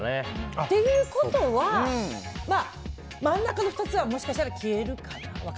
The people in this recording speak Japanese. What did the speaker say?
ていうことは、真ん中の２つはもしかしたら消えるかなと。